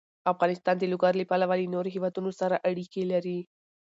افغانستان د لوگر له پلوه له نورو هېوادونو سره اړیکې لري.